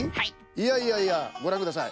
いやいやいやごらんください。